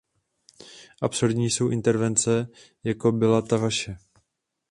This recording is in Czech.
Absurdní jsou intervence, jako byla ta vaše.